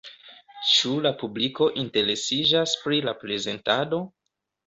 Ĉu la publiko interesiĝas pri la prezentado?